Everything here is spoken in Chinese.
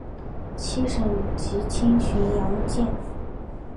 七省级轻巡洋舰。